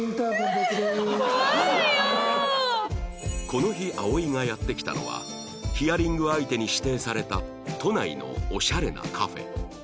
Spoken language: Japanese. この日葵がやって来たのはヒアリング相手に指定された都内のオシャレなカフェ